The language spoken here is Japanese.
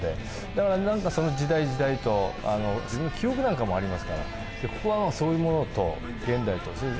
だから何かその時代時代と自分の記憶なんかもありますからここはそういうものと現代と。